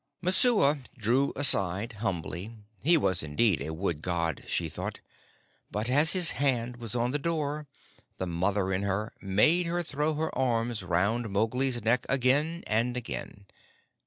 Messua drew aside humbly he was indeed a wood god, she thought; but as his hand was on the door the mother in her made her throw her arms round Mowgli's neck again and again.